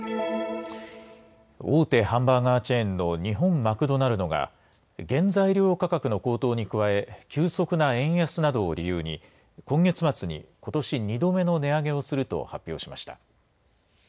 大手ハンバーガーチェーンの日本マクドナルドが原材料価格の高騰に加え、急速な円安などを理由に今月末にことし２度目の値上げをすると発表しました。